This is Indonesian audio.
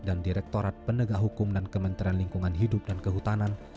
dan direktorat pendegah hukum dan kementerian lingkungan hidup dan kehutanan